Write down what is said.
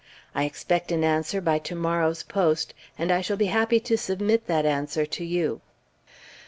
I expect an answer by tomorrow's post, and I shall be happy to submit that answer to you."